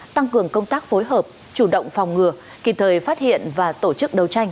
tăng cường công tác phối hợp chủ động phòng ngừa kịp thời phát hiện và tổ chức đấu tranh